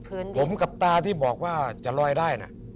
ผมกับตาที่บอกว่าจะลอยได้นะ